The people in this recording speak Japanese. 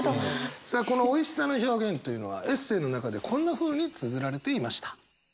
さあこのおいしさの表現というのはエッセイの中でこんなふうにつづられていました。